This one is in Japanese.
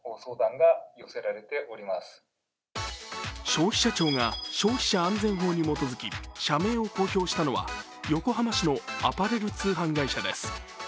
消費者庁が消費者安全法に基づき、社名を公表したのは横浜市のアパレル通販会社です。